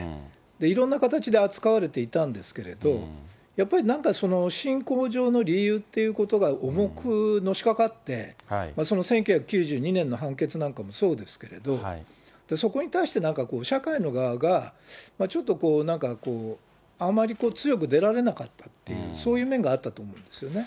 いろんな形で扱われていたんですけれど、やっぱり、なんか信仰上の理由っていうことが重くのしかかって、その１９９２年の判決なんかもそうですけど、そこに対してなんか社会の側がちょっとこう、なんか、あまり強く出られなかったという、そういう面があったと思うんですよね。